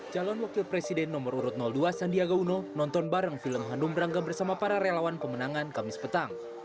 calon wakil presiden nomor urut dua sandiaga uno nonton bareng film hanum berangga bersama para relawan pemenangan kamis petang